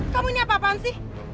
kamu ini apa apaan sih